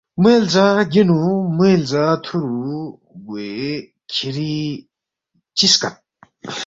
موے لزا گینُو موے لزا تُھورو گوے کِھری چِہ سکت،